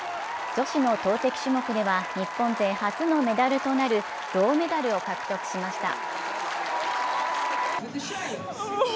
女子の投てき種目では日本勢初のメダルとなる銅メダルを獲得しました。